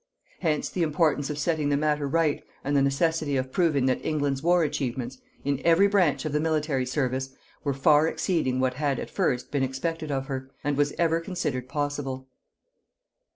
Hence the importance of setting the matter right, and the necessity of proving that England's war achievements, in every branch of the Military Service, were far exceeding what had, at first, been expected of her, and was ever considered possible.